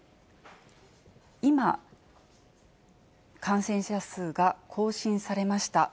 今、感染者数が更新されました。